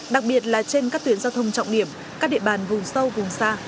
đặc biệt là trên các tuyến giao thông trọng điểm các địa bàn vùng sâu vùng xa